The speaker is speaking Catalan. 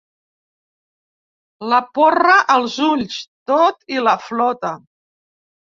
―la porra als ulls― tot i la flota.